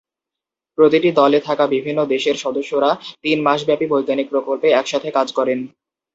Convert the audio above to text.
প্রতিটি দলে থাকা বিভিন্ন দেশের সদস্যরা তিন মাসব্যাপী বৈজ্ঞানিক প্রকল্পে একসাথে কাজ করেন।